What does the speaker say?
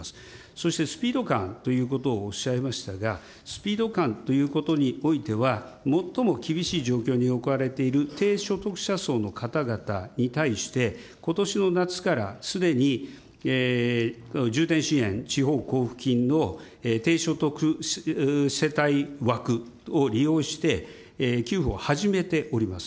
そしてスピード感ということをおっしゃいましたが、スピード感ということにおいては最も厳しい状況に置かれている低所得者層の方々に対して、ことしの夏からすでに重点支援地方交付金の低所得世帯枠を利用して、給付を始めております。